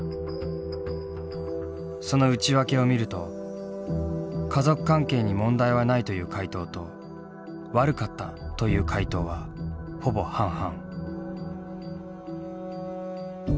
その内訳を見ると「家族関係に問題はない」という回答と「悪かった」という回答はほぼ半々。